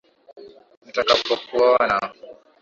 Nitakapokuona,